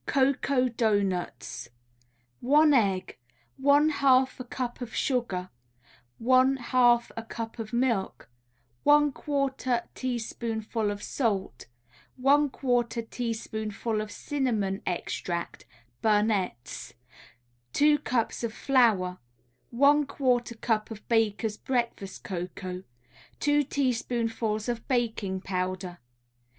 COCOA DOUGHNUTS One egg, one half a cup of sugar, one half a cup of milk, one quarter teaspoonful of salt, one quarter teaspoonful of cinnamon extract (Burnett's), two cups of flour, one quarter cup of Baker's Breakfast Cocoa, two teaspoonfuls of baking powder.